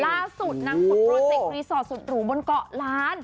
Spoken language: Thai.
ล่าสุดนางผุดโปรเจกต์รีสอร์ทสุดหรูบนเกาะล้าน